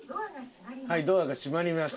「ドアが閉まります」